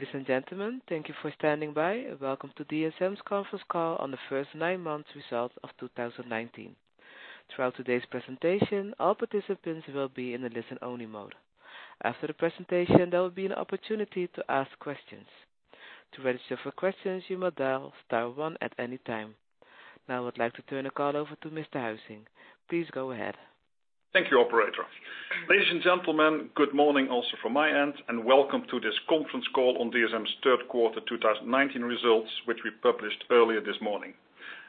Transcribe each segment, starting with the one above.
Ladies and gentlemen, thank you for standing by. Welcome to DSM's conference call on the first nine months results of 2019. Throughout today's presentation, all participants will be in a listen-only mode. After the presentation, there will be an opportunity to ask questions. To register for questions, you may dial star one at any time. Now I would like to turn the call over to Mr. Huizing. Please go ahead. Thank you, operator. Ladies and gentlemen, good morning also from my end, and welcome to this conference call on DSM's third quarter 2019 results, which we published earlier this morning.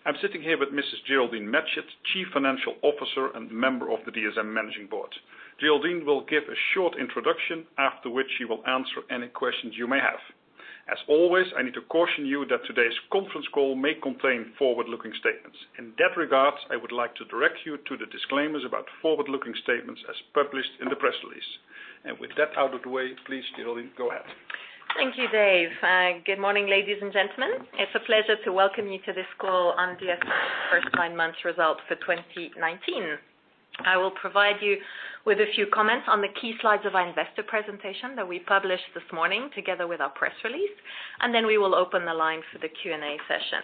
I'm sitting here with Mrs. Geraldine Matchett, Chief Financial Officer and member of the DSM managing board. Geraldine will give a short introduction, after which she will answer any questions you may have. As always, I need to caution you that today's conference call may contain forward-looking statements. In that regard, I would like to direct you to the disclaimers about forward-looking statements as published in the press release. With that out of the way, please, Geraldine, go ahead. Thank you, Dave. Good morning, ladies and gentlemen. It's a pleasure to welcome you to this call on DSM's first nine months results for 2019. I will provide you with a few comments on the key slides of our investor presentation that we published this morning together with our press release, and then we will open the line for the Q&A session.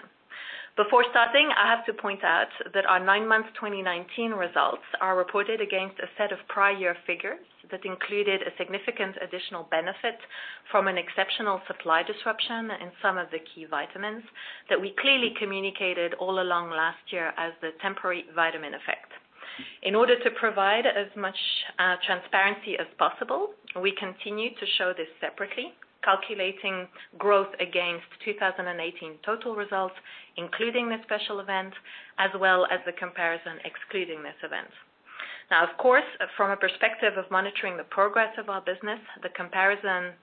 Before starting, I have to point out that our nine-month 2019 results are reported against a set of prior figures that included a significant additional benefit from an exceptional supply disruption in some of the key vitamins that we clearly communicated all along last year as the temporary vitamin effect. In order to provide as much transparency as possible, we continue to show this separately, calculating growth against 2018 total results, including this special event, as well as the comparison excluding this event. Of course, from a perspective of monitoring the progress of our business, the comparison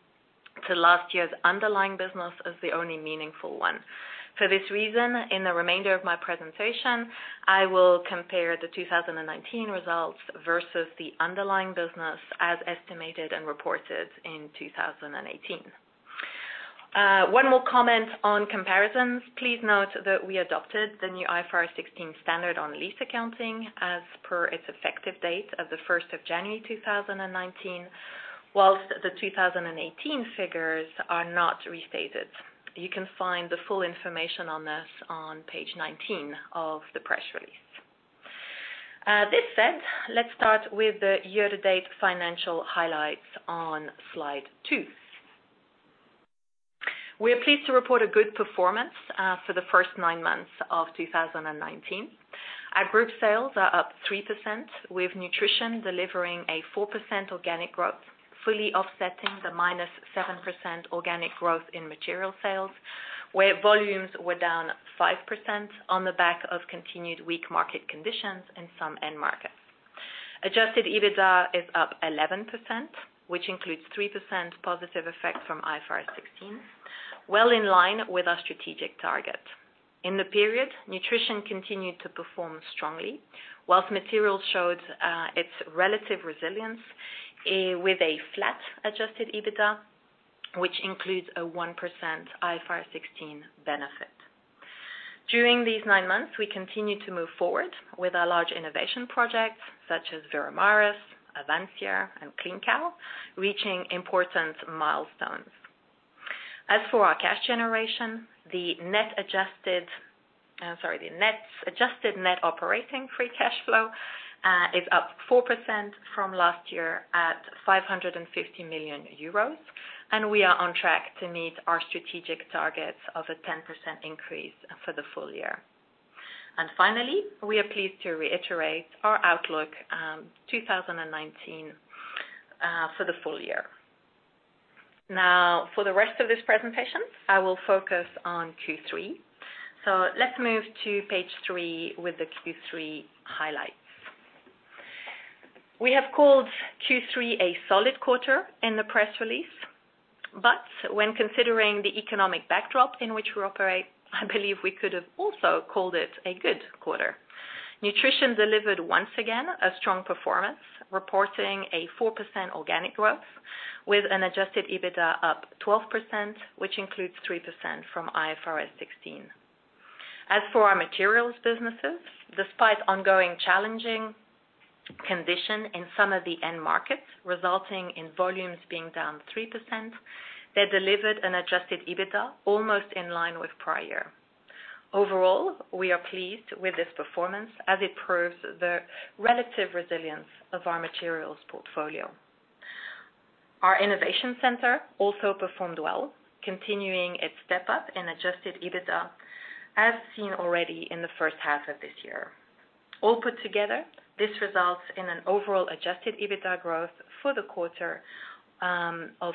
to last year's underlying business is the only meaningful one. For this reason, in the remainder of my presentation, I will compare the 2019 results versus the underlying business as estimated and reported in 2018. One more comment on comparisons. Please note that we adopted the new IFRS 16 standard on lease accounting as per its effective date as the 1st of January 2019, whilst the 2018 figures are not restated. You can find the full information on this on page 19 of the press release. This said, let's start with the year-to-date financial highlights on slide two. We are pleased to report a good performance for the first nine months of 2019. Our group sales are up 3%, with nutrition delivering a 4% organic growth, fully offsetting the -7% organic growth in material sales, where volumes were down 5% on the back of continued weak market conditions in some end markets. Adjusted EBITDA is up 11%, which includes 3% positive effect from IFRS 16, well in line with our strategic target. In the period, nutrition continued to perform strongly, whilst materials showed its relative resilience, with a flat adjusted EBITDA, which includes a 1% IFRS 16 benefit. During these nine months, we continued to move forward with our large innovation projects such as Veramaris, Avansya, and Clean Cow, reaching important milestones. As for our cash generation, the net adjusted net operating free cash flow is up 4% from last year at 550 million euros, we are on track to meet our strategic targets of a 10% increase for the full year. Finally, we are pleased to reiterate our outlook 2019 for the full year. Now, for the rest of this presentation, I will focus on Q3. Let's move to page three with the Q3 highlights. We have called Q3 a solid quarter in the press release, when considering the economic backdrop in which we operate, I believe we could have also called it a good quarter. Nutrition delivered once again a strong performance, reporting a 4% organic growth with an adjusted EBITDA up 12%, which includes 3% from IFRS 16. As for our materials businesses, despite ongoing challenging condition in some of the end markets, resulting in volumes being down 3%, they delivered an adjusted EBITDA almost in line with prior. Overall, we are pleased with this performance as it proves the relative resilience of our materials portfolio. Our innovation center also performed well, continuing its step-up in adjusted EBITDA, as seen already in the first half of this year. All put together, this results in an overall adjusted EBITDA growth for the quarter of 9%,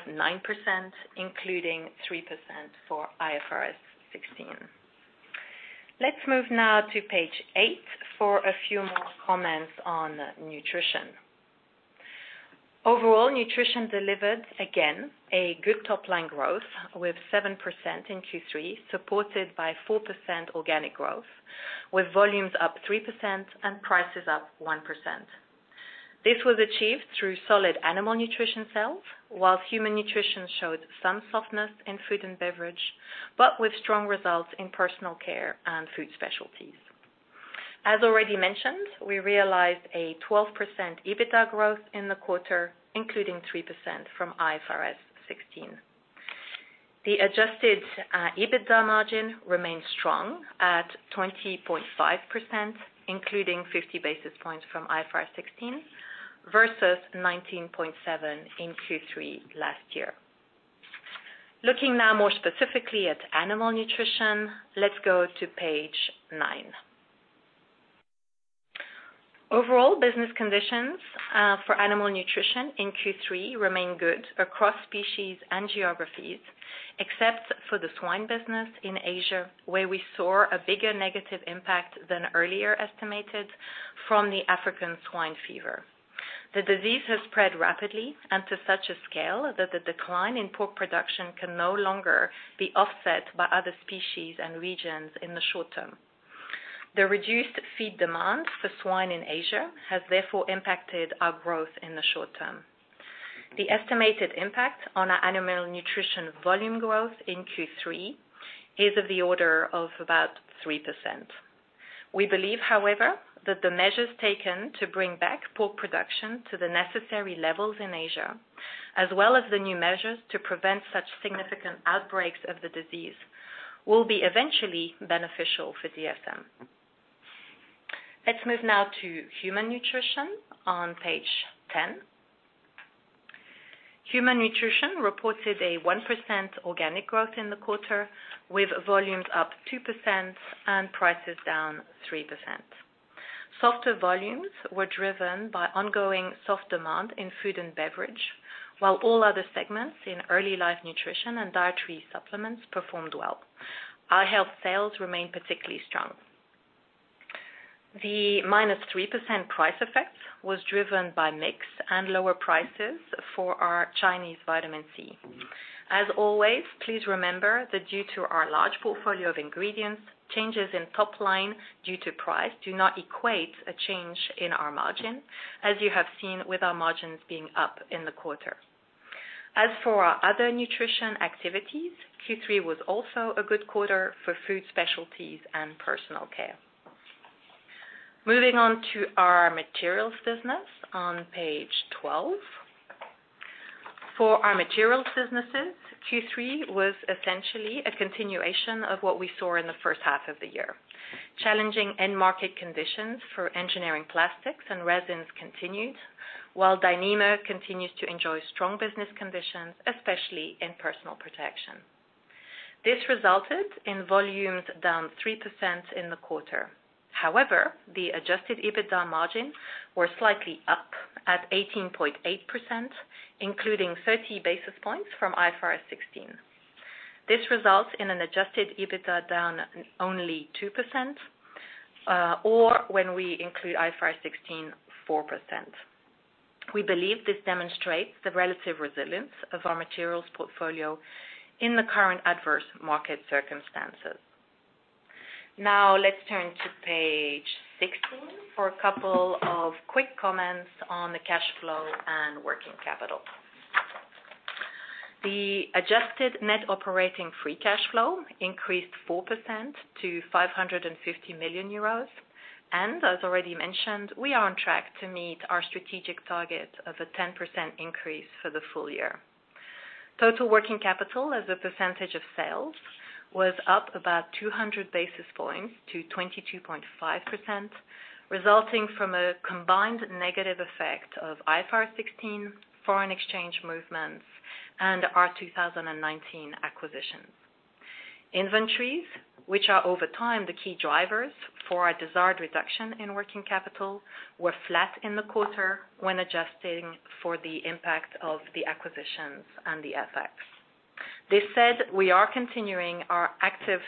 including 3% for IFRS 16. Let's move now to page eight for a few more comments on nutrition. Overall, nutrition delivered, again, a good top-line growth with 7% in Q3, supported by 4% organic growth, with volumes up 3% and prices up 1%. This was achieved through solid animal nutrition sales, while human nutrition showed some softness in food and beverage, but with strong results in personal care and food specialties. As already mentioned, we realized a 12% EBITDA growth in the quarter, including 3% from IFRS 16. The adjusted EBITDA margin remains strong at 20.5%, including 50 basis points from IFRS 16 versus 19.7% in Q3 last year. Looking now more specifically at animal nutrition, let's go to page nine. Overall business conditions for animal nutrition in Q3 remain good across species and geographies, except for the swine business in Asia, where we saw a bigger negative impact than earlier estimated from the African swine fever. The disease has spread rapidly and to such a scale that the decline in pork production can no longer be offset by other species and regions in the short term. The reduced feed demand for swine in Asia has therefore impacted our growth in the short term. The estimated impact on our animal nutrition volume growth in Q3 is of the order of about 3%. We believe, however, that the measures taken to bring back pork production to the necessary levels in Asia, as well as the new measures to prevent such significant outbreaks of the disease, will be eventually beneficial for DSM. Let's move now to human nutrition on page 10. Human nutrition reported a 1% organic growth in the quarter, with volumes up 2% and prices down 3%. Softer volumes were driven by ongoing soft demand in food and beverage, while all other segments in early life nutrition and dietary supplements performed well. Our health sales remain particularly strong. The minus 3% price effect was driven by mix and lower prices for our Chinese vitamin C. As always, please remember that due to our large portfolio of ingredients, changes in top line due to price do not equate a change in our margin, as you have seen with our margins being up in the quarter. For our other nutrition activities, Q3 was also a good quarter for food specialties and personal care. Moving on to our materials business on page 12. For our materials businesses, Q3 was essentially a continuation of what we saw in the first half of the year. Challenging end market conditions for engineering plastics and resins continued, while Dyneema continues to enjoy strong business conditions, especially in personal protection. This resulted in volumes down 3% in the quarter. The adjusted EBITDA margins were slightly up at 18.8%, including 30 basis points from IFRS 16. This results in an adjusted EBITDA down only 2%, or when we include IFRS 16, 4%. We believe this demonstrates the relative resilience of our materials portfolio in the current adverse market circumstances. Now let's turn to page 16 for a couple of quick comments on the cash flow and working capital. The adjusted net operating free cash flow increased 4% to 550 million euros. As already mentioned, we are on track to meet our strategic target of a 10% increase for the full year. Total working capital as a percentage of sales was up about 200 basis points to 22.5%, resulting from a combined negative effect of IFRS 16, foreign exchange movements, and our 2019 acquisitions. Inventories, which are over time the key drivers for our desired reduction in working capital, were flat in the quarter when adjusting for the impact of the acquisitions and the FX. This said, we are continuing our active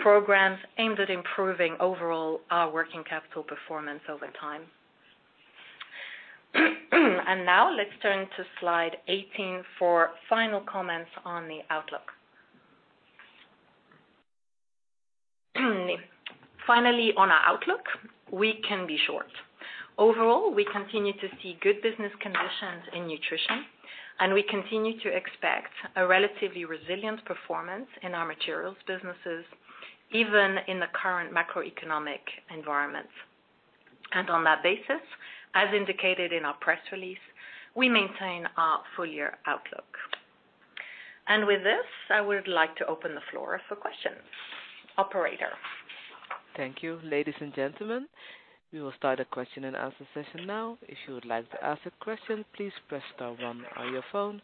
programs aimed at improving overall our working capital performance over time. Now let's turn to slide 18 for final comments on the outlook. Finally, on our outlook, we can be short. Overall, we continue to see good business conditions in nutrition, and we continue to expect a relatively resilient performance in our materials businesses, even in the current macroeconomic environment. On that basis, as indicated in our press release, we maintain our full-year outlook. With this, I would like to open the floor for questions. Operator. Thank you. Ladies and gentlemen, we will start a question and answer session now. If you would like to ask a question, please press star one on your phone.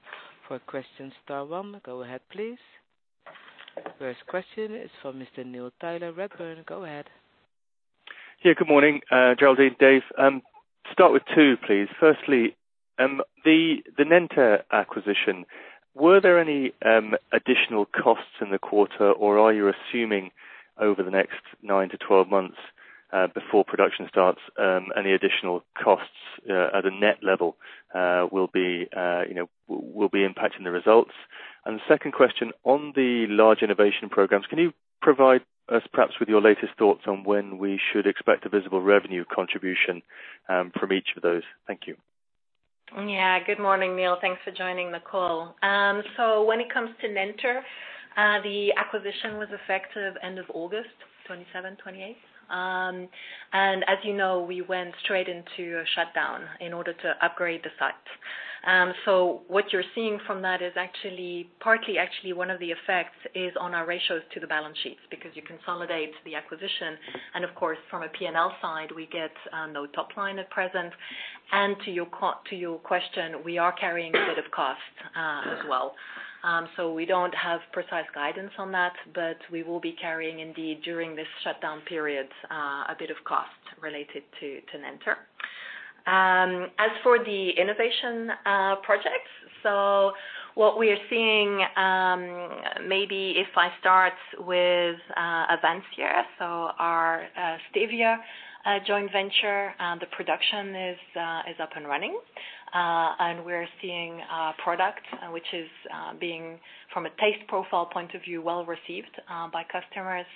For questions, star one. Go ahead, please. First question is from Mr. Neil Tyler, Redburn. Go ahead. Good morning, Geraldine, Dave. Start with two, please. Firstly, the Nenter acquisition. Were there any additional costs in the quarter, or are you assuming over the next nine to 12 months, before production starts, any additional costs at a net level will be impacting the results? The second question on the large innovation programs, can you provide us perhaps with your latest thoughts on when we should expect a visible revenue contribution from each of those? Thank you. Good morning, Neil. Thanks for joining the call. When it comes to Nenter, the acquisition was effective end of August 27, 2028. As you know, we went straight into a shutdown in order to upgrade the site. What you're seeing from that is partly actually one of the effects is on our ratios to the balance sheets, because you consolidate the acquisition, and of course, from a P&L side, we get no top line at present. To your question, we are carrying a bit of cost as well. We don't have precise guidance on that. We will be carrying indeed during this shutdown period, a bit of cost related to Nenter. As for the innovation projects, what we are seeing, maybe if I start with Avansya, our stevia joint venture, the production is up and running. We're seeing product which is being, from a taste profile point of view, well-received by customers.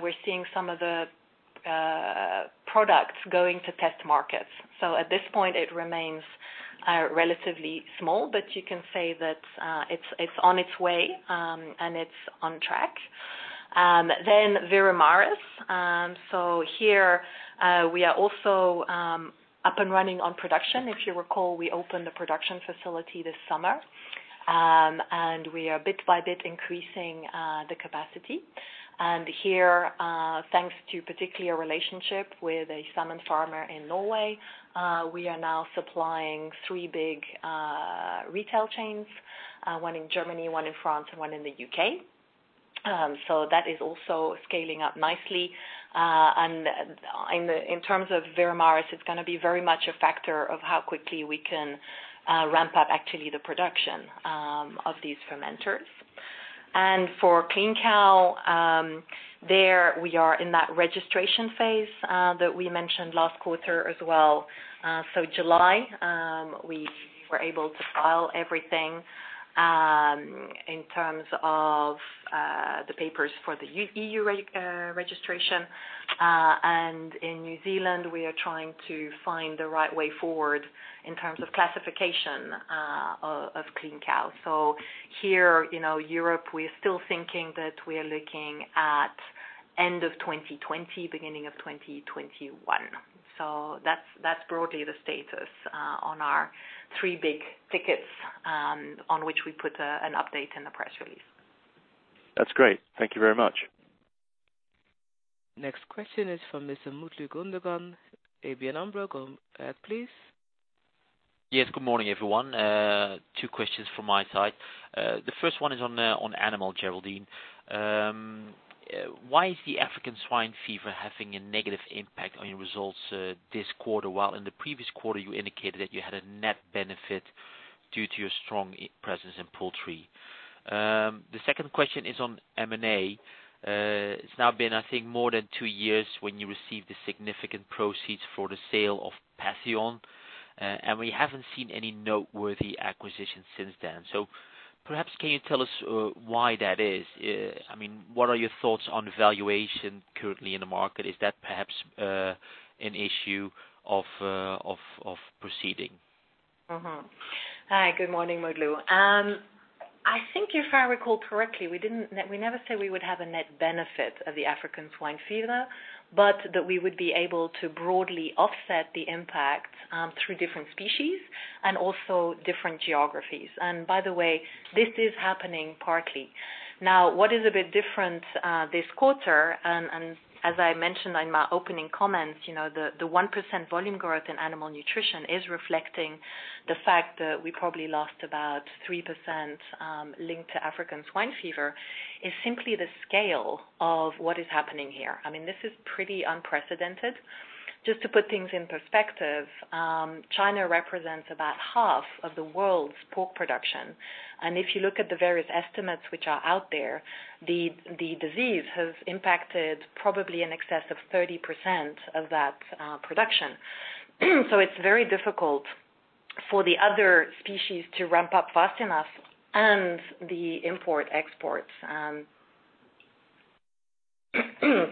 We're seeing some of the products going to test markets. At this point, it remains relatively small, but you can say that it's on its way, and it's on track. Veramaris. Here, we are also up and running on production. If you recall, we opened a production facility this summer. We are bit by bit increasing the capacity. Here, thanks to particularly a relationship with a salmon farmer in Norway, we are now supplying three big retail chains, one in Germany, one in France, and one in the U.K. That is also scaling up nicely. In terms of Veramaris, it's going to be very much a factor of how quickly we can ramp up actually the production of these fermenters. For Clean Cow, there we are in that registration phase that we mentioned last quarter as well. July, we were able to file everything, in terms of the papers for the EU registration. In New Zealand, we are trying to find the right way forward in terms of classification of Clean Cow. Here, Europe, we're still thinking that we are looking at end of 2020, beginning of 2021. That's broadly the status on our three big tickets, on which we put an update in the press release. That's great. Thank you very much. Next question is from Mr. Mutlu Gundogan, ABN AMRO. Go ahead, please. Yes. Good morning, everyone. Two questions from my side. The first one is on animal, Geraldine. Why is the African swine fever having a negative impact on your results this quarter, while in the previous quarter you indicated that you had a net benefit due to your strong presence in poultry? The second question is on M&A. It's now been, I think, more than two years when you received the significant proceeds for the sale of Patheon. We haven't seen any noteworthy acquisitions since then. Perhaps, can you tell us why that is? What are your thoughts on valuation currently in the market? Is that perhaps an issue of proceeding? Hi. Good morning, Mutlu. I think if I recall correctly, we never said we would have a net benefit of the African swine fever, but that we would be able to broadly offset the impact through different species and also different geographies. By the way, this is happening partly. What is a bit different this quarter, and as I mentioned in my opening comments, the 1% volume growth in animal nutrition is reflecting the fact that we probably lost about 3% linked to African swine fever, is simply the scale of what is happening here. This is pretty unprecedented. Just to put things in perspective, China represents about half of the world's pork production. If you look at the various estimates which are out there, the disease has impacted probably in excess of 30% of that production. It's very difficult for the other species to ramp up fast enough.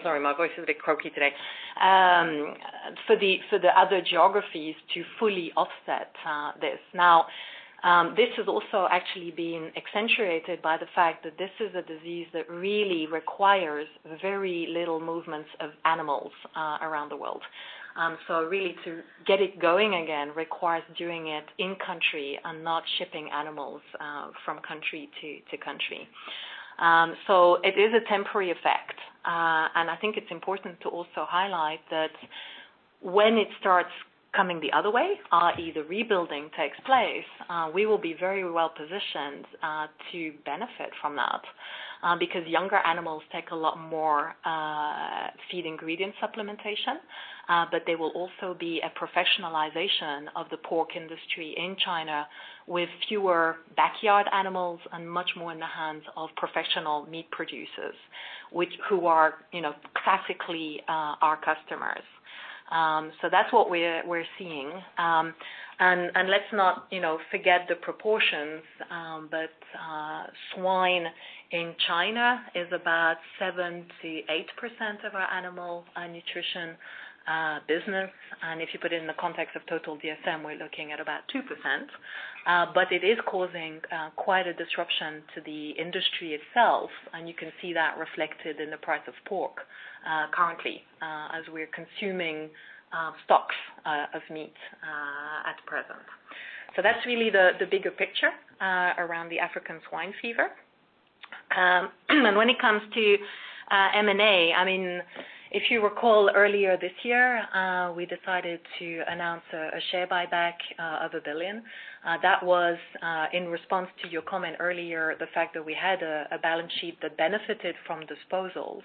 Sorry, my voice is a bit croaky today. For the other geographies to fully offset this. This has also actually been accentuated by the fact that this is a disease that really requires very little movements of animals around the world. Really to get it going again requires doing it in country and not shipping animals from country to country. It is a temporary effect. I think it's important to also highlight that when it starts coming the other way, i.e., the rebuilding takes place, we will be very well positioned to benefit from that. Younger animals take a lot more feed ingredient supplementation, but there will also be a professionalization of the pork industry in China with fewer backyard animals and much more in the hands of professional meat producers. Who are classically our customers. That's what we're seeing. Let's not forget the proportions, but swine in China is about 78% of our Animal Nutrition business, and if you put it in the context of total DSM, we're looking at about 2%, but it is causing quite a disruption to the industry itself, and you can see that reflected in the price of pork currently, as we're consuming stocks of meat at present. That's really the bigger picture around the African swine fever. When it comes to M&A, if you recall earlier this year, we decided to announce a share buyback of 1 billion. That was in response to your comment earlier, the fact that we had a balance sheet that benefited from disposals,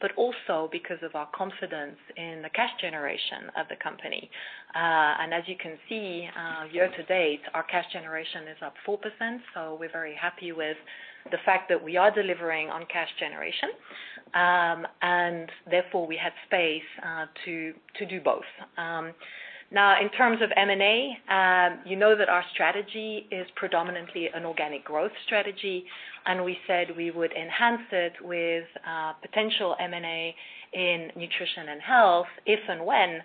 but also because of our confidence in the cash generation of the company. As you can see, year to date, our cash generation is up 4%. We're very happy with the fact that we are delivering on cash generation. Therefore, we had space to do both. Now, in terms of M&A, you know that our strategy is predominantly an organic growth strategy. We said we would enhance it with potential M&A in nutrition and health if and when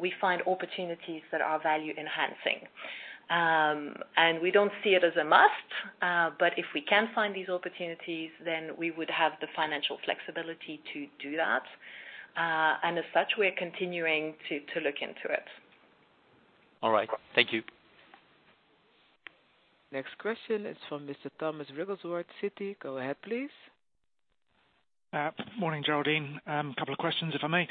we find opportunities that are value enhancing. We don't see it as a must, but if we can find these opportunities, we would have the financial flexibility to do that. As such, we're continuing to look into it. All right. Thank you. Next question is from Mr. Thomas Riggs with Citi. Go ahead, please. Morning, Geraldine. Couple of questions, if I may.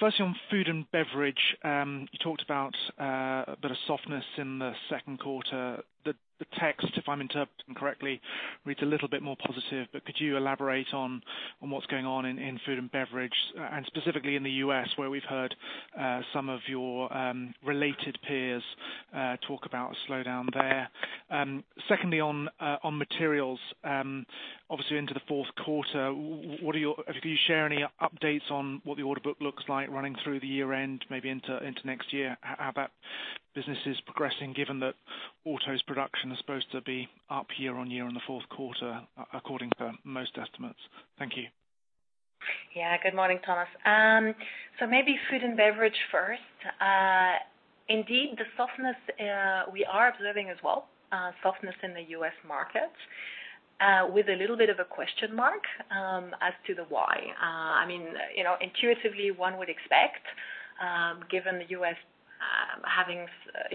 Firstly, on food and beverage, you talked about a bit of softness in the second quarter. The text, if I'm interpreting correctly, reads a little bit more positive, but could you elaborate on what's going on in food and beverage, and specifically in the U.S. where we've heard some of your related peers talk about a slowdown there? Secondly, on materials, obviously into the fourth quarter, could you share any updates on what the order book looks like running through the year-end, maybe into next year, how that business is progressing given that autos production is supposed to be up year-over-year in the fourth quarter, according to most estimates? Thank you. Good morning, Thomas. Maybe food and beverage first. Indeed, the softness we are observing as well, softness in the U.S. market, with a little bit of a question mark as to the why. Intuitively, one would expect, given the U.S. having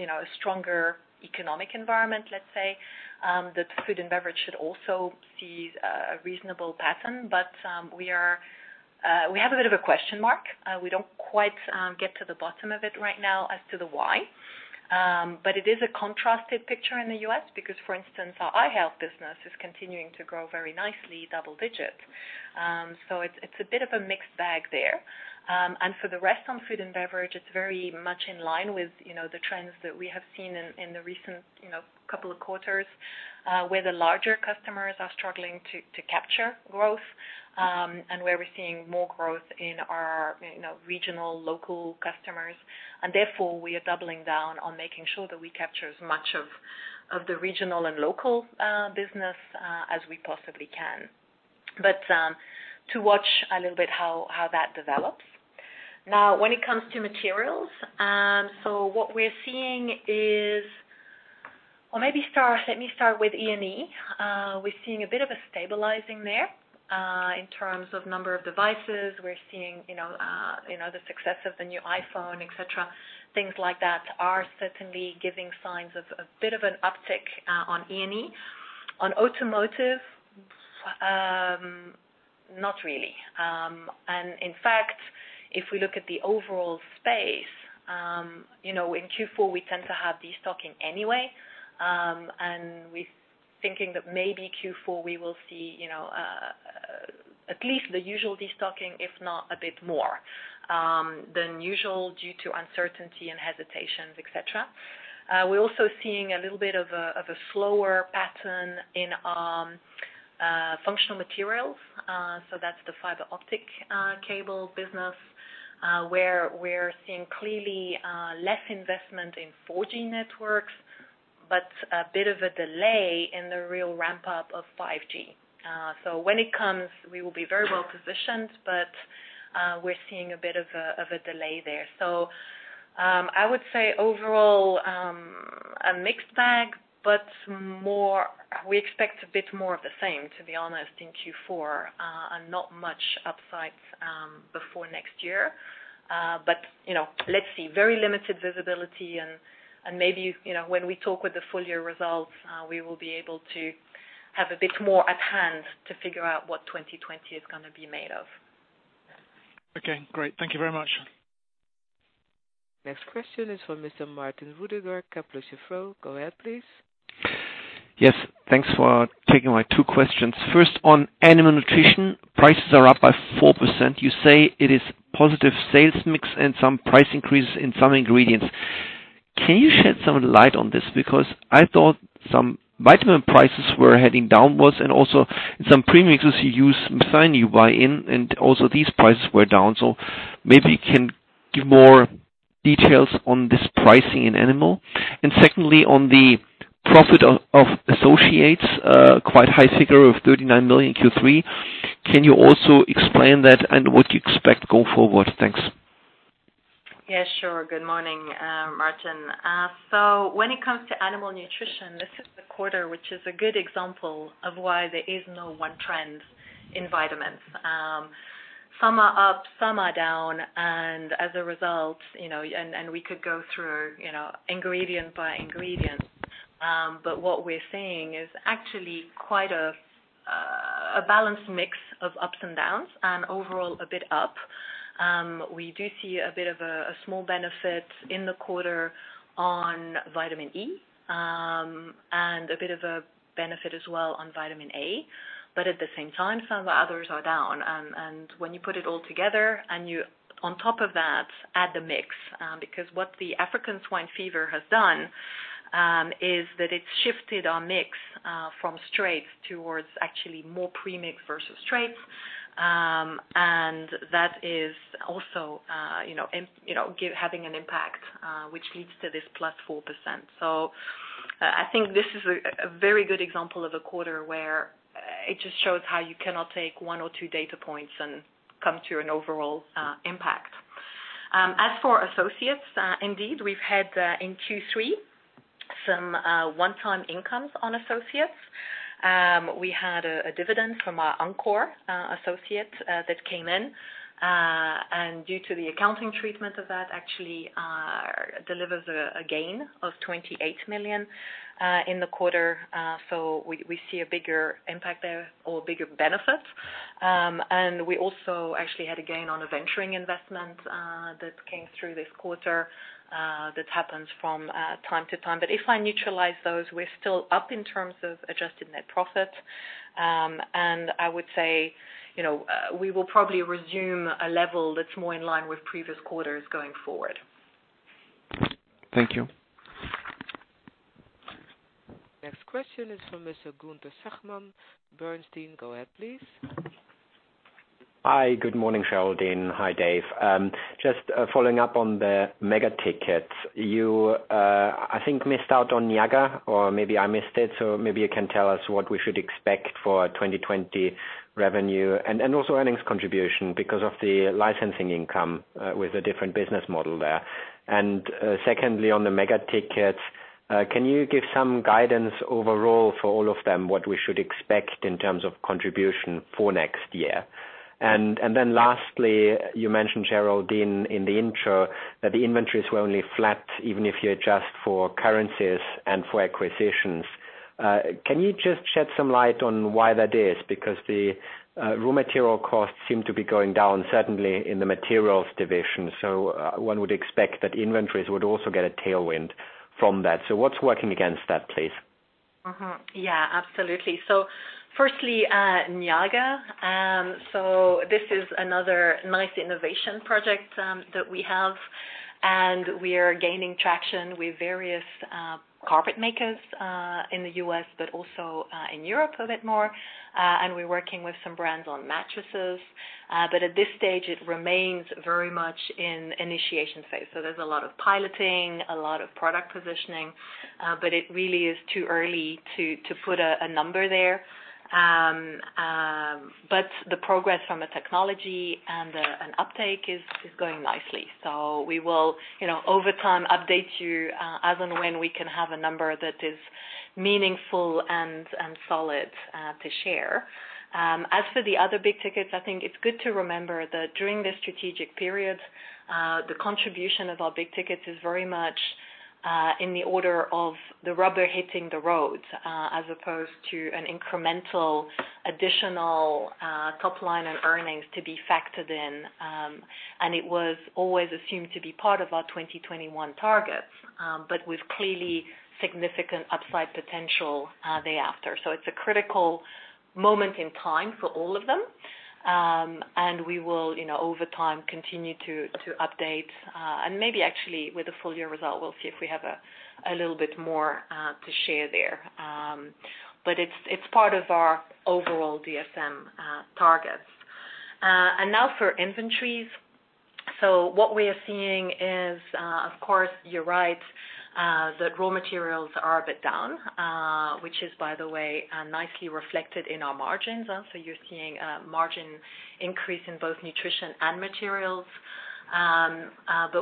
a stronger economic environment, let's say, that food and beverage should also see a reasonable pattern. We have a bit of a question mark. We don't quite get to the bottom of it right now as to the why. It is a contrasted picture in the U.S. because, for instance, our eye health business is continuing to grow very nicely, double digits. It's a bit of a mixed bag there. For the rest on food and beverage, it's very much in line with the trends that we have seen in the recent couple of quarters, where the larger customers are struggling to capture growth, and where we're seeing more growth in our regional local customers. Therefore, we are doubling down on making sure that we capture as much of the regional and local business as we possibly can. To watch a little bit how that develops. When it comes to materials, let me start with E&E. We're seeing a bit of a stabilizing there, in terms of number of devices. We're seeing the success of the new iPhone, et cetera. Things like that are certainly giving signs of a bit of an uptick on E&E. On automotive, not really. In fact, if we look at the overall space, in Q4, we tend to have destocking anyway. We're thinking that maybe Q4, we will see at least the usual destocking, if not a bit more than usual due to uncertainty and hesitations, et cetera. We're also seeing a little bit of a slower pattern in functional materials, so that's the fiber optic cable business, where we're seeing clearly less investment in 4G networks, but a bit of a delay in the real ramp-up of 5G. When it comes, we will be very well positioned, but we're seeing a bit of a delay there. I would say overall, a mixed bag, but we expect a bit more of the same, to be honest in Q4, and not much upsides before next year. Let's see. Very limited visibility and maybe when we talk with the full-year results, we will be able to have a bit more at hand to figure out what 2020 is going to be made of. Okay, great. Thank you very much. Next question is from Mr. Martin Roediger, Kepler Cheuvreux. Go ahead, please. Yes. Thanks for taking my two questions. First, on animal nutrition, prices are up by 4%. You say it is positive sales mix and some price increases in some ingredients. Can you shed some light on this? Because I thought some vitamin prices were heading downwards, and also some premixes you use, methionine you buy in, and also these prices were down. Maybe you can give more details on this pricing in animal. Secondly, on the profit of associates, quite high figure of 39 million in Q3. Can you also explain that and what you expect going forward? Thanks. Yes, sure. Good morning, Martin. When it comes to animal nutrition, this is the quarter, which is a good example of why there is no one trend in vitamins. Some are up, some are down, as a result, we could go through ingredient by ingredient. What we're seeing is actually quite a balanced mix of ups and downs and overall a bit up. We do see a bit of a small benefit in the quarter on vitamin E, and a bit of a benefit as well on vitamin A. At the same time, some of the others are down. When you put it all together and you on top of that, add the mix, because what the African swine fever has done, is that it's shifted our mix from straight towards actually more premix versus straight. That is also having an impact, which leads to this +4%. I think this is a very good example of a quarter where it just shows how you cannot take one or two data points and come to an overall impact. As for associates, indeed, we've had in Q3 some one-time incomes on associates. We had a dividend from our Encore associate that came in. Due to the accounting treatment of that actually delivers a gain of 28 million in the quarter. We see a bigger impact there or a bigger benefit. We also actually had a gain on a venturing investment that came through this quarter, that happens from time to time. If I neutralize those, we're still up in terms of adjusted net profit. I would say we will probably resume a level that's more in line with previous quarters going forward. Thank you. Next question is from Mr. Gunther Zechmann, Bernstein. Go ahead, please. Good morning, Geraldine. Hi, Dave. Following up on the mega tickets. You I think missed out on Niaga or maybe I missed it, maybe you can tell us what we should expect for 2020 revenue and also earnings contribution because of the licensing income with a different business model there. Secondly, on the mega tickets, can you give some guidance overall for all of them, what we should expect in terms of contribution for next year? Lastly, you mentioned Geraldine in the intro that the inventories were only flat, even if you adjust for currencies and for acquisitions. Can you just shed some light on why that is? The raw material costs seem to be going down, certainly in the materials division. One would expect that inventories would also get a tailwind from that. What's working against that, please? Yeah, absolutely. Firstly, Niaga. This is another nice innovation project that we have, and we are gaining traction with various carpet makers in the U.S., but also in Europe a bit more. We're working with some brands on mattresses. At this stage, it remains very much in initiation phase. There's a lot of piloting, a lot of product positioning. It really is too early to put a number there. The progress from a technology and uptake is going nicely. We will, over time, update you as and when we can have a number that is meaningful and solid to share. As for the other big tickets, I think it's good to remember that during the strategic period, the contribution of our big tickets is very much in the order of the rubber hitting the road as opposed to an incremental additional top line and earnings to be factored in. It was always assumed to be part of our 2021 targets, but with clearly significant upside potential thereafter. It's a critical moment in time for all of them. We will, over time, continue to update. Maybe actually with the full year result, we'll see if we have a little bit more to share there. It's part of our overall DSM targets. Now for inventories. What we are seeing is, of course, you're right, that raw materials are a bit down, which is, by the way, nicely reflected in our margins. You're seeing a margin increase in both nutrition and materials.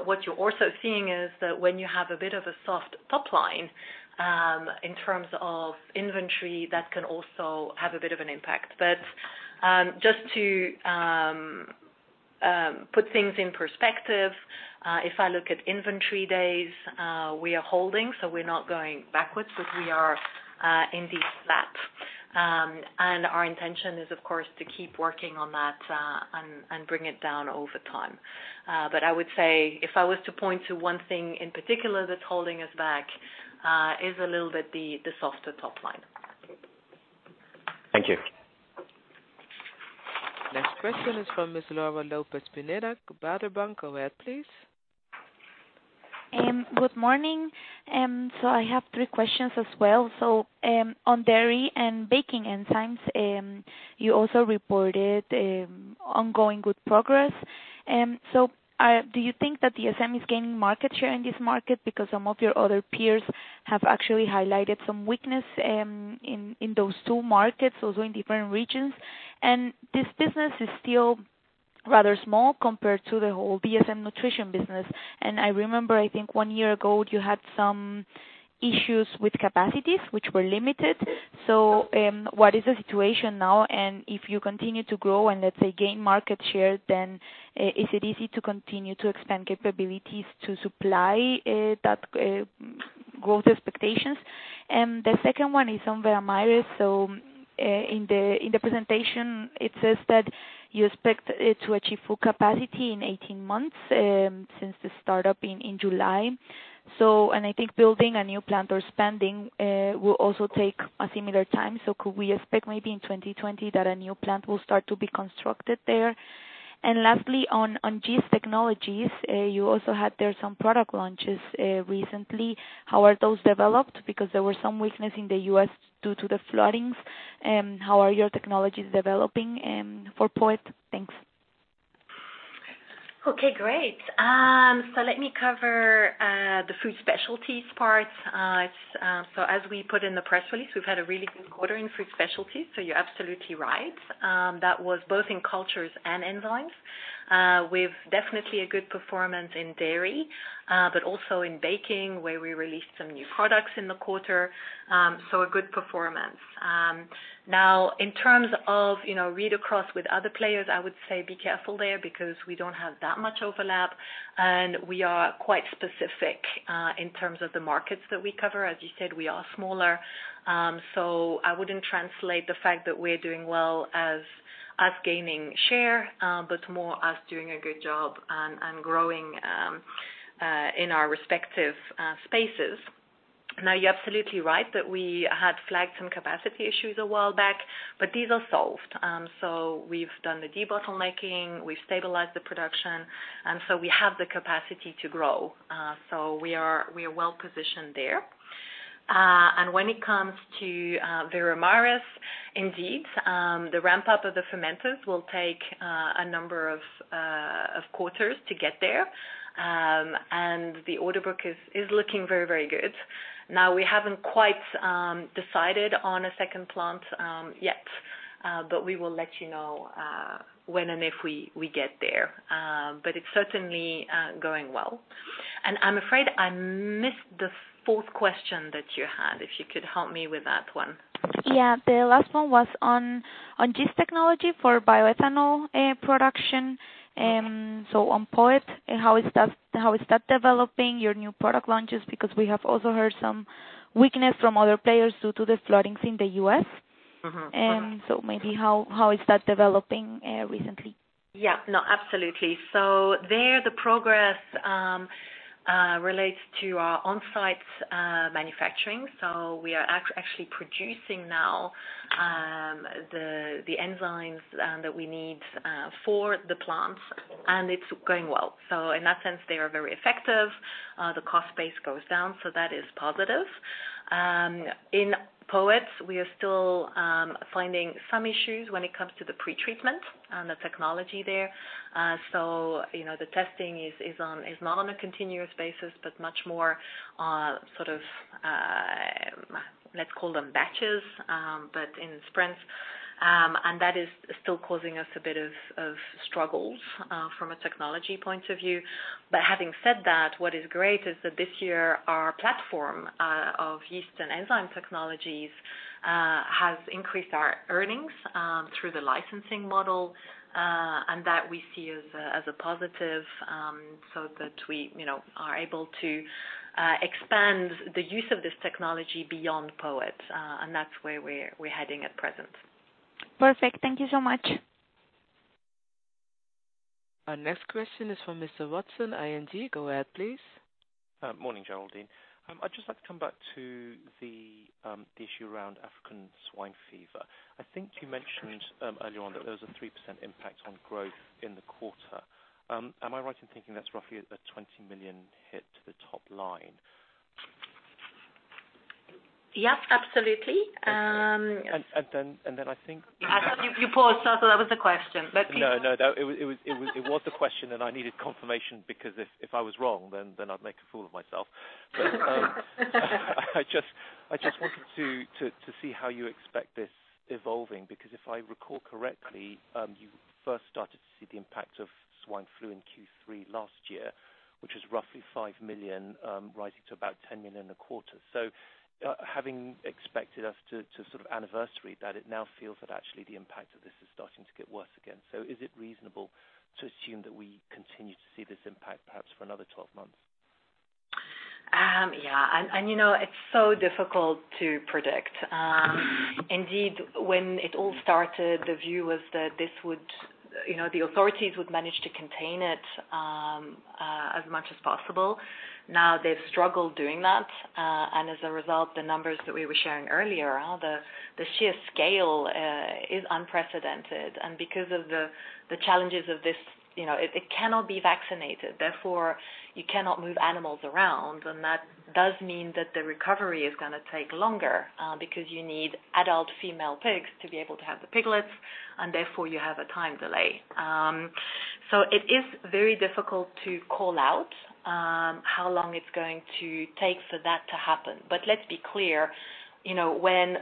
What you're also seeing is that when you have a bit of a soft top line, in terms of inventory, that can also have a bit of an impact. Just to put things in perspective, if I look at inventory days, we are holding, so we're not going backwards, but we are indeed flat. Our intention is of course, to keep working on that and bring it down over time. I would say if I was to point to one thing in particular that's holding us back, is a little bit the softer top line. Thank you. Next question is from Ms. Laura Lopez-Pineda, Baader Bank. Go ahead, please. Good morning. I have three questions as well. On dairy and baking enzymes, you also reported ongoing good progress. Do you think that DSM is gaining market share in this market? Because some of your other peers have actually highlighted some weakness in those two markets, also in different regions. This business is still rather small compared to the whole DSM nutrition business. I remember, I think one year ago, you had some issues with capacities, which were limited. What is the situation now? If you continue to grow and let's say, gain market share, then is it easy to continue to expand capabilities to supply that growth expectations? The second one is on Veramaris. In the presentation, it says that you expect it to achieve full capacity in 18 months, since the startup in July. I think building a new plant or spending will also take a similar time. Could we expect maybe in 2020 that a new plant will start to be constructed there? Lastly, on yeast technologies, you also had there some product launches recently. How are those developed? Because there were some weakness in the U.S. due to the floodings. How are your technologies developing for POET? Thanks. Okay, great. Let me cover the food specialties part. As we put in the press release, we've had a really good quarter in food specialties, so you're absolutely right. That was both in cultures and enzymes. With definitely a good performance in dairy, but also in baking, where we released some new products in the quarter. A good performance. In terms of read across with other players, I would say be careful there, because we don't have that much overlap, and we are quite specific in terms of the markets that we cover. As you said, we are smaller. I wouldn't translate the fact that we're doing well as us gaining share, but more us doing a good job and growing in our respective spaces. You're absolutely right that we had flagged some capacity issues a while back, but these are solved. We've done the debottlenecking, we've stabilized the production, and so we have the capacity to grow. We are well positioned there. When it comes to Veramaris, indeed, the ramp up of the fermenters will take a number of quarters to get there. The order book is looking very, very good. Now, we haven't quite decided on a second plant yet. We will let you know when and if we get there. It's certainly going well. I'm afraid I missed the fourth question that you had, if you could help me with that one. Yeah. The last one was on yeast technology for bioethanol production. Okay. On POET, how is that developing, your new product launches? We have also heard some weakness from other players due to the floodings in the U.S. Maybe how is that developing recently? Yeah. No, absolutely. The progress relates to our on-site manufacturing. We are actually producing now the enzymes that we need for the plant, and it's going well. In that sense, they are very effective. The cost base goes down, so that is positive. In POET, we are still finding some issues when it comes to the pretreatment and the technology there. The testing is not on a continuous basis, but much more sort of, let's call them batches. In sprints. That is still causing us a bit of struggles from a technology point of view. Having said that, what is great is that this year, our platform of yeast and enzyme technologies, has increased our earnings through the licensing model, and that we see as a positive, so that we are able to expand the use of this technology beyond POET. That's where we're heading at present. Perfect. Thank you so much. Our next question is from Mr. Watson, ING. Go ahead, please. Morning, Geraldine. I'd just like to come back to the issue around African swine fever. I think you mentioned earlier on that there was a 3% impact on growth in the quarter. Am I right in thinking that's roughly a 20 million hit to the top line? Yep, absolutely. Okay. I thought you paused, so I thought that was the question. No, it was a question, and I needed confirmation because if I was wrong, then I'd make a fool of myself. I just wanted to see how you expect this evolving, because if I recall correctly, you first started to see the impact of swine flu in Q3 last year, which was roughly 5 million, rising to about 10 million a quarter. Having expected us to sort of anniversary that, it now feels that actually the impact of this is starting to get worse again. Is it reasonable to assume that we continue to see this impact perhaps for another 12 months? Yeah. It's so difficult to predict. Indeed, when it all started, the view was that the authorities would manage to contain it as much as possible. Now they've struggled doing that, and as a result, the numbers that we were sharing earlier are the sheer scale is unprecedented. Because of the challenges of this, it cannot be vaccinated. Therefore, you cannot move animals around. That does mean that the recovery is going to take longer, because you need adult female pigs to be able to have the piglets, and therefore you have a time delay. It is very difficult to call out how long it's going to take for that to happen. Let's be clear, when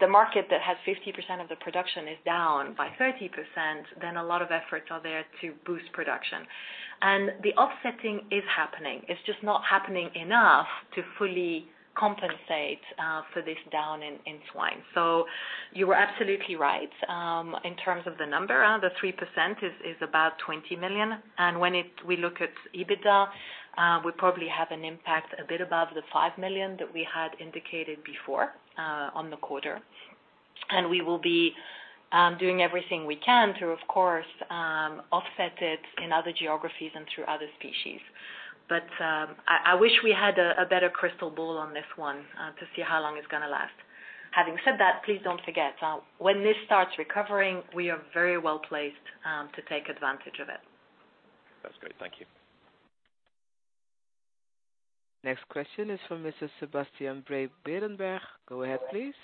the market that has 50% of the production is down by 30%, then a lot of efforts are there to boost production. The offsetting is happening. It's just not happening enough to fully compensate for this down in swine. You are absolutely right. In terms of the number, the 3% is about 20 million. When we look at EBITDA, we probably have an impact a bit above the five million that we had indicated before on the quarter. We will be doing everything we can to, of course, offset it in other geographies and through other species. I wish we had a better crystal ball on this one to see how long it's going to last. Having said that, please don't forget, when this starts recovering, we are very well-placed to take advantage of it. That's great. Thank you. Next question is from Mr. Sebastian Bray from Berenberg. Go ahead, please.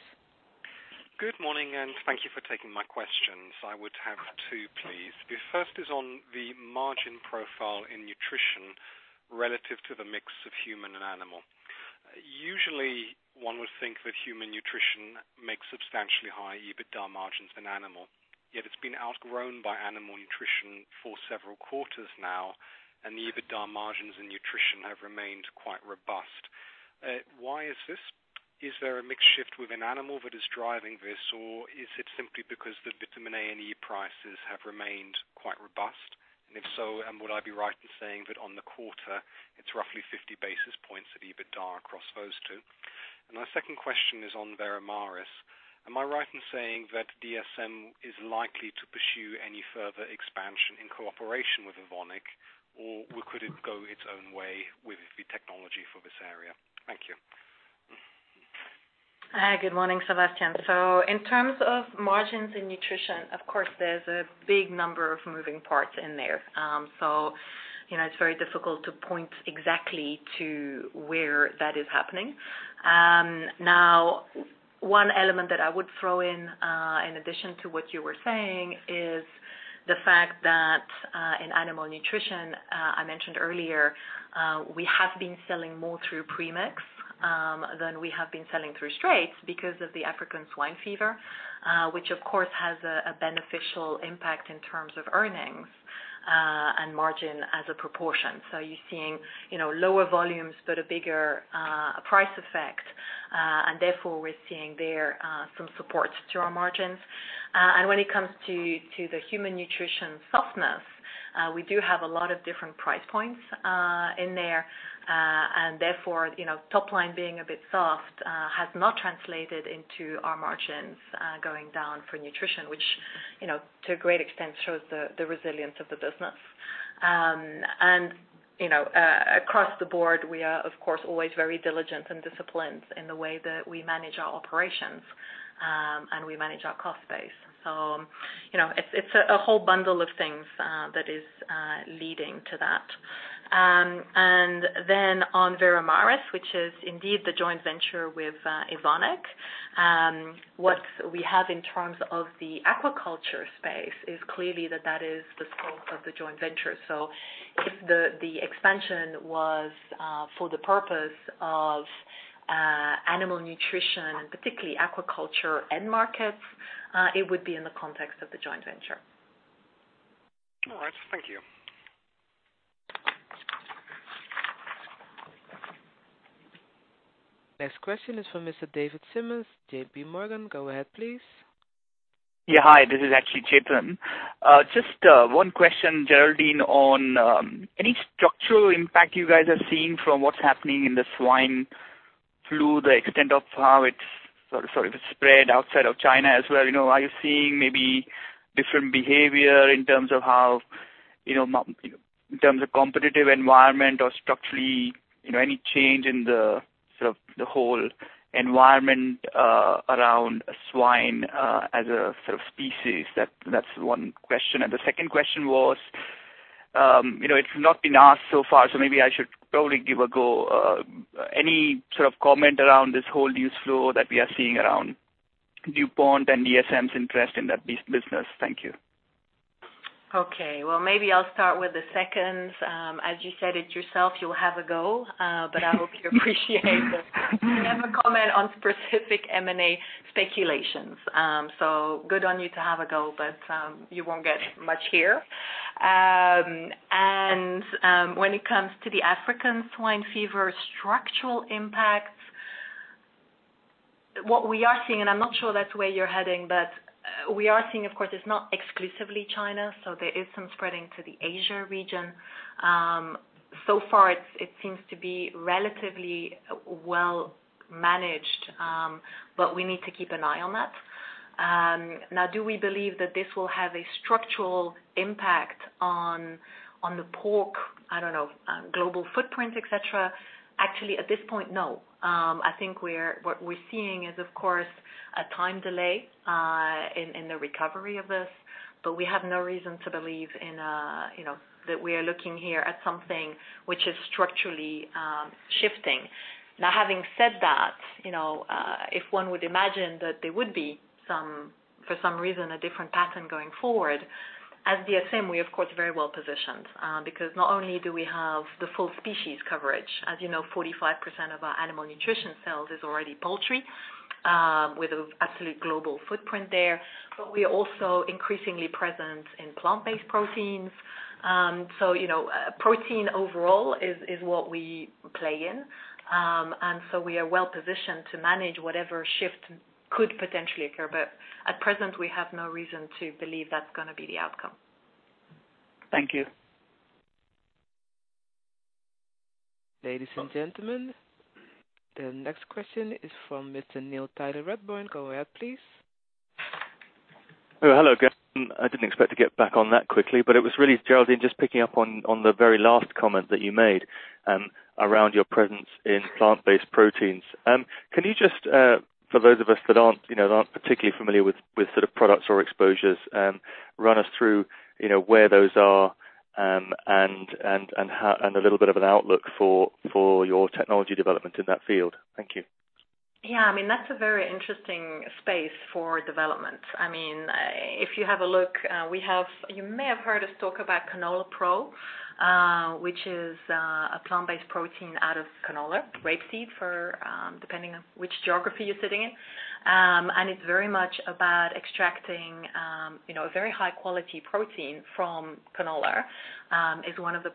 Good morning. Thank you for taking my questions. I would have two, please. The first is on the margin profile in nutrition relative to the mix of human and animal. Usually, one would think that human nutrition makes substantially higher EBITDA margins than animal. Yet it's been outgrown by animal nutrition for several quarters now, and the EBITDA margins in nutrition have remained quite robust. Why is this? Is it a mix shift with an animal that is driving this, or is it simply because the vitamin A and E prices have remained quite robust? If so, would I be right in saying that on the quarter, it's roughly 50 basis points of EBITDA across those two? My second question is on Veramaris. Am I right in saying that DSM is likely to pursue any further expansion in cooperation with Evonik, or could it go its own way with the technology for this area? Thank you. Good morning, Sebastian. In terms of margins in nutrition, of course, there's a big number of moving parts in there. It's very difficult to point exactly to where that is happening. Now, one element that I would throw in addition to what you were saying, is the fact that in animal nutrition, I mentioned earlier, we have been selling more through premix than we have been selling through straights because of the African swine fever, which of course has a beneficial impact in terms of earnings and margin as a proportion. You're seeing lower volumes, but a bigger price effect. Therefore, we're seeing there some support to our margins. When it comes to the human nutrition softness, we do have a lot of different price points in there. Top line being a bit soft has not translated into our margins going down for Nutrition, which to a great extent shows the resilience of the business. Across the board, we are, of course, always very diligent and disciplined in the way that we manage our operations, and we manage our cost base. It's a whole bundle of things that is leading to that. On Veramaris, which is indeed the joint venture with Evonik. What we have in terms of the aquaculture space is clearly that that is the scope of the joint venture. If the expansion was for the purpose of Animal Nutrition, and particularly aquaculture end markets, it would be in the context of the joint venture. All right. Thank you. Next question is from Mr. David Simmons, J.P. Morgan. Go ahead, please. Hi, this is actually Chetan. Just one question, Geraldine, on any structural impact you guys are seeing from what's happening in the African swine fever, the extent of how it's spread outside of China as well. Are you seeing maybe different behavior in terms of competitive environment or structurally, any change in the whole environment around swine as a sort of species? That's one question. The second question was, it's not been asked so far, so maybe I should probably give a go. Any sort of comment around this whole news flow that we are seeing around DuPont and DSM's interest in that business? Thank you. Okay. Well, maybe I'll start with the second. As you said it yourself, you'll have a go, but I hope you appreciate that we never comment on specific M&A speculations. Good on you to have a go, but you won't get much here. When it comes to the African swine fever structural impacts, what we are seeing, and I'm not sure that's where you're heading, but we are seeing, of course, it's not exclusively China, so there is some spreading to the Asia region. Far it seems to be relatively well managed, but we need to keep an eye on that. Now, do we believe that this will have a structural impact on the pork, I don't know, global footprint, et cetera? Actually, at this point, no. I think what we're seeing is, of course, a time delay in the recovery of this, but we have no reason to believe that we are looking here at something which is structurally shifting. Having said that, if one would imagine that there would be, for some reason, a different pattern going forward, at DSM, we're of course, very well positioned. Not only do we have the full species coverage, as you know, 45% of our animal nutrition sales is already poultry, with absolute global footprint there, but we are also increasingly present in plant-based proteins. Protein overall is what we play in. We are well-positioned to manage whatever shift could potentially occur. At present, we have no reason to believe that's going to be the outcome. Thank you. Ladies and gentlemen, the next question is from Mr. Neil Tyler Redburn. Go ahead, please. Oh, hello. I didn't expect to get back on that quickly, but it was really, Geraldine, just picking up on the very last comment that you made around your presence in plant-based proteins. Can you just, for those of us that aren't particularly familiar with sort of products or exposures, run us through where those are, and a little bit of an outlook for your technology development in that field? Thank you. Yeah, that's a very interesting space for development. If you have a look, you may have heard us talk about CanolaPRO, which is a plant-based protein out of canola, rapeseed, depending on which geography you're sitting in. It's very much about extracting very high-quality protein from canola. It's one of the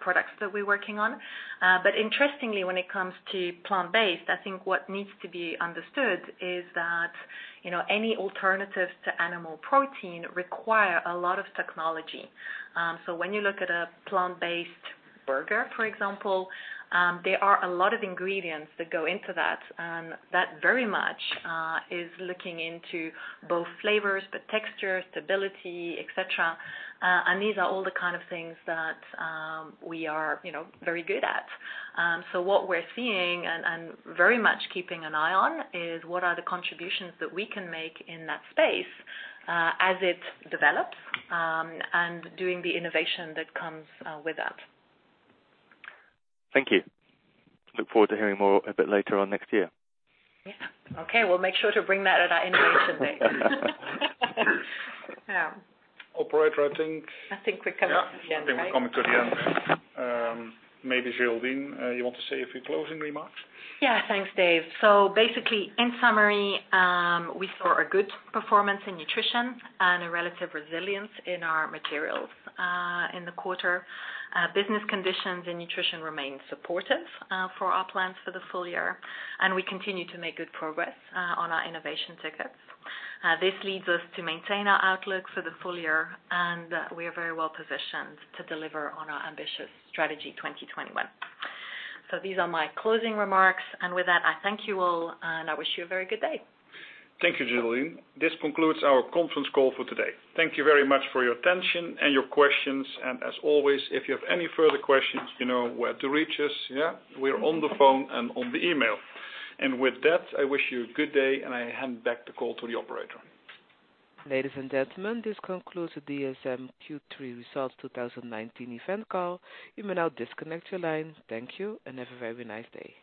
products that we're working on. Interestingly, when it comes to plant-based, I think what needs to be understood is that any alternatives to animal protein require a lot of technology. When you look at a plant-based burger, for example, there are a lot of ingredients that go into that, and that very much is looking into both flavors, the texture, stability, et cetera. These are all the kind of things that we are very good at. What we're seeing, and very much keeping an eye on, is what are the contributions that we can make in that space as it develops, and doing the innovation that comes with that. Thank you. Look forward to hearing more a bit later on next year. Yeah. Okay. We'll make sure to bring that at our innovation day. Yeah. Operator, I think. I think we're coming to the end, right? Yeah, I think we're coming to the end. Maybe Geraldine, you want to say a few closing remarks? Thanks, Dave. Basically, in summary, we saw a good performance in nutrition and a relative resilience in our materials in the quarter. Business conditions in nutrition remain supportive for our plans for the full year, and we continue to make good progress on our innovation tickets. This leads us to maintain our outlook for the full year, and we are very well positioned to deliver on our ambitious Strategy 2021. These are my closing remarks, and with that, I thank you all, and I wish you a very good day. Thank you, Geraldine. This concludes our conference call for today. Thank you very much for your attention and your questions. As always, if you have any further questions, you know where to reach us. We're on the phone and on the email. With that, I wish you a good day, and I hand back the call to the operator. Ladies and gentlemen, this concludes the DSM Q3 Results 2019 event call. You may now disconnect your line. Thank you. Have a very nice day.